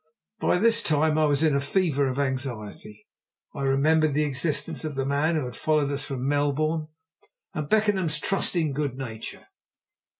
By this time I was in a fever of anxiety. I remembered the existence of the man who had followed us from Melbourne, and Beckenham's trusting good nature.